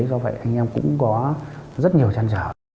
do vậy anh em cũng có rất nhiều trăn trở